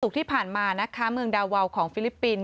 วันศุกร์ที่ผ่านมานะคะเมืองดาวาลของฟิลิปปินส์